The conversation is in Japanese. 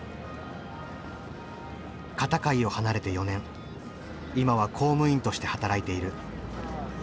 片貝を離れて４年今は公務員として働いている。